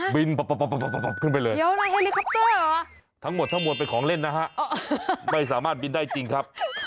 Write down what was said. บินปับขึ้นไปเลยทั้งหมดเป็นของเล่นนะฮะไม่สามารถบินได้จริงครับ